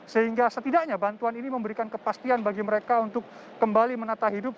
sehingga setidaknya bantuan ini memberikan kepastian bagi mereka untuk kembali menata hidup